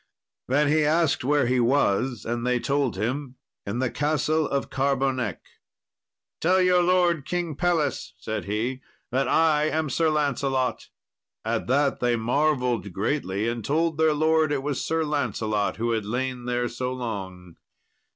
Then he asked where he was, and they told him, "In the Castle of Carbonek." "Tell your lord, King Pelles," said he, "that I am Sir Lancelot." At that they marvelled greatly, and told their lord it was Sir Lancelot who had lain there so long.